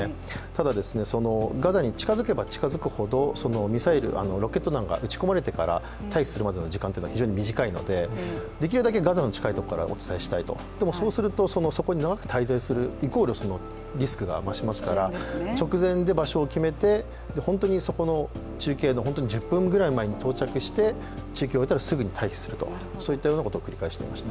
ただ、ガザに近づけば近づくほどミサイル、ロケット弾が撃ち込まれてから退避するまでの時間というのは非常に短いので、できるだけガザに近いところでお伝えしたいと、長く滞在するイコールリスクが増しますから直前で場所を決めて、中継の１０分ぐらい前に到着をして中継を終えたらすぐに退避するというそういうことを繰り返していました。